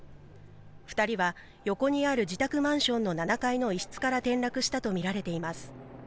２人は横にある自宅マンションの７階の一室から転落したと見られています。